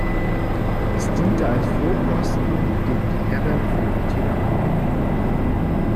Es diente als Vorposten gegen die Herren von Altena-Mark.